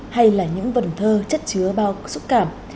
hay là những vần thơ chất chứa bao xúc cảm